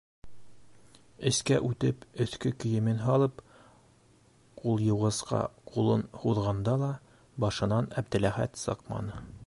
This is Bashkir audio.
Эскә үтеп, өҫкө кейемен һалып, ҡулъйыуғысҡа ҡулын һуҙғанда ла башынан Әптеләхәт сыҡманы.